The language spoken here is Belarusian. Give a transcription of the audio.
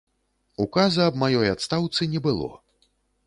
Указа аб маёй адстаўцы не было.